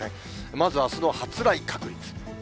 まずはあすの発雷確率。